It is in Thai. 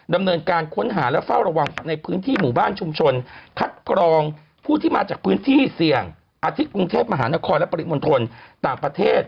ดำเนินการค้นหาและเฝ้าระวังในพื้นที่หมู่บ้านชุมชนคัดกรองผู้ที่มาจากพื้นที่เสี่ยงอาทิตย์กรุงเทพมหานครและปริมณฑลต่างประเทศ